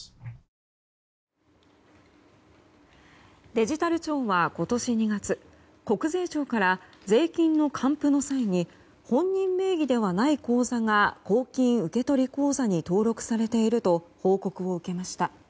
デジタル庁は今年２月国税庁から税金の還付の際に本人名義ではない口座が公金受取口座に登録されていると報告を受けました。